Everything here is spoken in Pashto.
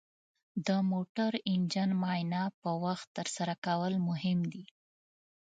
د موټر انجن معاینه په وخت ترسره کول مهم دي.